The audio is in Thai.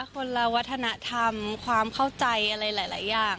คนละวัฒนธรรมความเข้าใจอะไรหลายอย่าง